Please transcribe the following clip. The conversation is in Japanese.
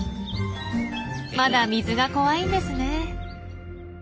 まだ水が怖いんですねえ。